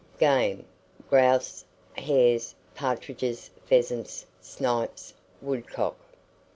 GAME. Grouse, hares, partridges, pheasants, snipes, woodcock.